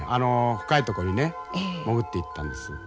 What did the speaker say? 深いとこにね潜っていったんです。